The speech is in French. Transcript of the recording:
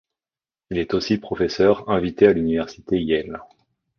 Il est aussi professeur invité à l'université Yale.